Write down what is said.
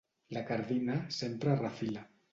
La cardina sempre refila.